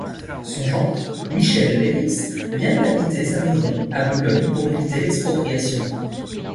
Son gendre, Michel Leiris, vient habiter sa maison à Boulogne pour éviter l'expropriation.